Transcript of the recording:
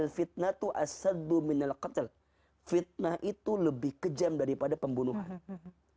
fitnah itu lebih kejam daripada pembunuhan